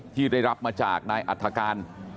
ที่ได้รับมาจากนายอัฐการ